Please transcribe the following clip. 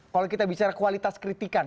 kalau kita bicara kualitas kritikan